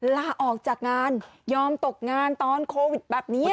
ลาออกจากงานยอมตกงานตอนโควิดแบบนี้